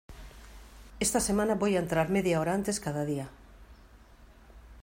Esta semana voy a entrar media hora antes cada día.